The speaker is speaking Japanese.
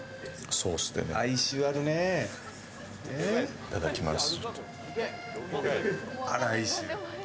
いただきます。